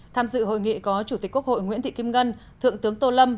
tham dự hội nghị có chủ tịch quốc hội nguyễn thị kim ngân thượng tướng tô lâm